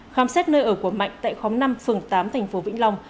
khám xét nơi ở của mạnh tại khóm năm phường tám thành phố vĩnh long